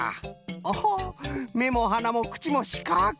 おほめもはなもくちもしかく。